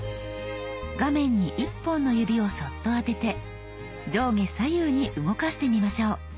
画面に１本の指をそっと当てて上下左右に動かしてみましょう。